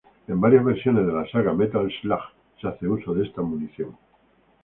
En varias versiones de la saga "Metal slug" se hace uso de esta munición.